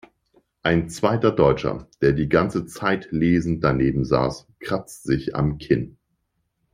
Ein zweiter Deutscher, der die ganze Zeit lesend daneben saß, kratzt sich am Kinn.